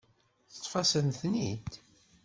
Teṭṭef-asent-ten-id.